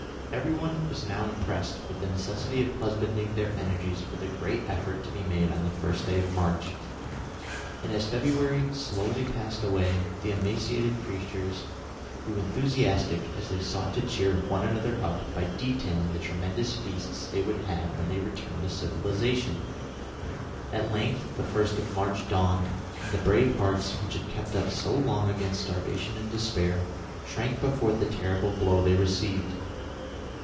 Every one was now impressed with the necessity of husbanding their energies for the great effort to be made on the first day of March, and as February slowly passed away, the emaciated creatures grew enthusiastic as they sought to cheer one another up by detailing the tremendous feasts they would have when they returned to civilisation. At length the first of March dawned, and the brave hearts, which had kept up so long against starvation and despair, shrank before the terrible blow they received.